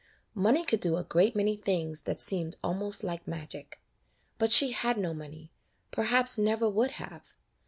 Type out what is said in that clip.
Money could do a great many things that seemed almost like magic ; but she had no money, perhaps never would have.